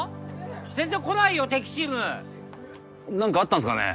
全然来ないよ敵チーム何かあったんですかね